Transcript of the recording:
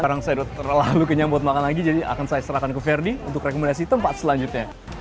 sekarang saya udah terlalu kenyambut makan lagi jadi akan saya serahkan ke verdi untuk rekomendasi tempat selanjutnya